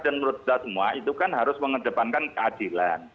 dan menurut kita semua itu kan harus mengedepankan keadilan